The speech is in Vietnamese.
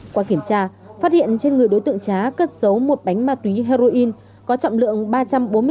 qua kiểm tra phát hiện trên người đối tượng trá cất dấu một bánh ma túy heroin có trọng lượng ba trăm bốn mươi sáu chín mươi ba gram